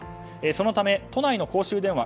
そのため都内の公衆電話